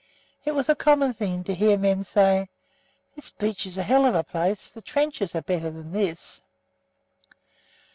It was a common thing to hear men say: "This beach is a hell of a place! The trenches are better than this."